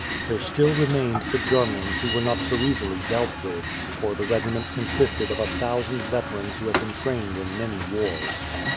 There still remained the Germans who were not so easily dealt with, for the regiment consisted of a thousand veterans who had been trained in many wars.